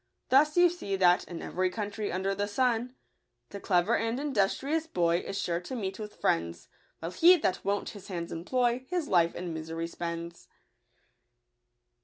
Thus you see that, in every country under the sun, — The clever and industrious boy Is sure to meet with Mends ; While he that won't his hands employ His life in misery spends.